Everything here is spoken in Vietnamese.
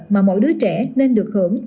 mà mỗi đứa trẻ nên được hưởng